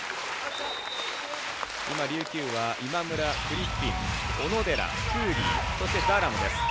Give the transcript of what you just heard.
今、琉球は今村、フリッピン、小野寺クーリー、そしてダーラムです。